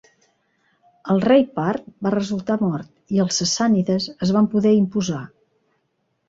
El rei part va resultar mort i els sassànides es van poder imposar.